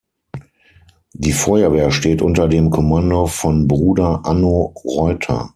Die Feuerwehr steht unter dem Kommando von Bruder Anno Reuter.